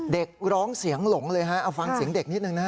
เด็กร้องเสียงหลงเลยฮะเอาฟังเสียงเด็กนิดหนึ่งนะฮะ